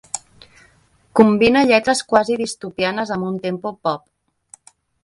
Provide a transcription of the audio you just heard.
Combina lletres quasi distopianes amb un tempo pop.